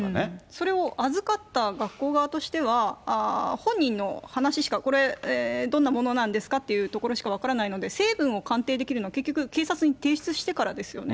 それを預かった学校側としては、本人の話しか、これ、どんなものなんですかというところまでしか分からないので、成分を鑑定できるのは、結局警察に提出してからですよね。